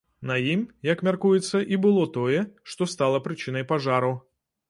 На ім, як мяркуецца, і было тое, што стала прычынай пажару.